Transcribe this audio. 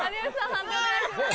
判定お願いします。